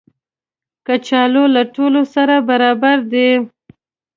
کچالو له ټولو سره برابر دي